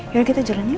yaudah kita jalan yuk